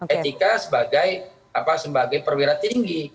etika sebagai perwira tinggi